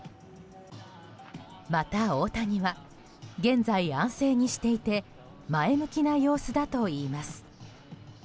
また大谷は、現在安静にしていて前向きな様子だといいます。